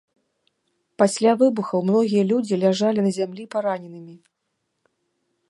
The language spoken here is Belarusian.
Пасля выбухаў многія людзі ляжалі на зямлі параненымі.